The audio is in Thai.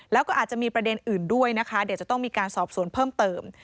แล้วก็อาจจะมีประเด็นอื่นด้วยนะคะเดี๋ยวจะต้องมีการสอบสวนเพิ่มเติม